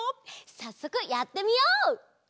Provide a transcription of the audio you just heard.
さっそくやってみよう！